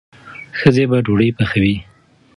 ښځې به ډوډۍ پخوي.